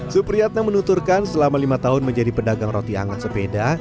supriyatna menuturkan selama lima tahun menjadi pedagang roti anget sepeda